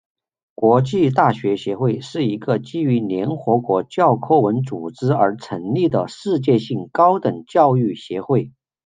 国际大学协会是一个基于联合国教科文组织而成立的世界性高等教育协会。